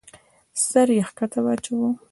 سر يې کښته واچاوه.